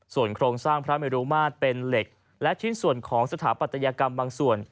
ส่วนโครงสร้างพระเมรุมาตรเป็นเหล็กและชิ้นส่วนของสถาปัตยกรรมบางส่วน